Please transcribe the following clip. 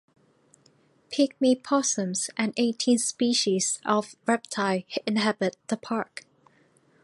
Pygmy possums and eighteen species of reptile inhabit the park.